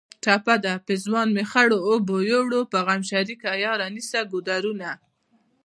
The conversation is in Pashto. ټپه ده: پېزوان مې خړو اوبو یوړ په غم شریکه یاره نیسه ګودرونه